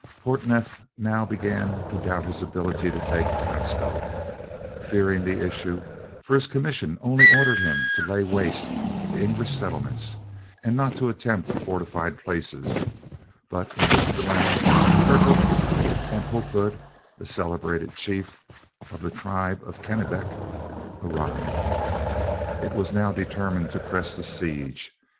Portneuf now began to doubt of his ability to take Casco, fearing the issue; for his commission only ordered him to lay waste the English settlements, and not to attempt fortified places; but, in this dilemma, Hertel and Hopehood (a celebrated chief of the tribe of the Kennebec), arrived. It was now determined to press the siege.